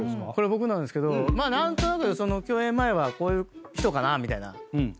僕なんですけど何となく共演前はこういう人かなみたいなイメージ